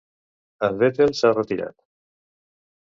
En Vettel s'ha retirat?